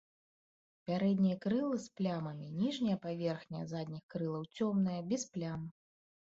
Пярэднія крылы з плямамі, ніжняя паверхня задніх крылаў цёмная, без плям.